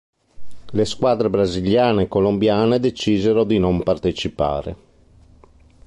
Le squadre brasiliane e colombiane decisero di non partecipare.